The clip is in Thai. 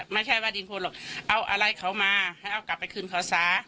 ไม่ใช่ว่าดินคนหรอกเอาอะไรเขามาให้เอากลับไปคืนเขาซะ